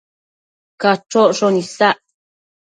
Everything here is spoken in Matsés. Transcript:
Cachocshon isac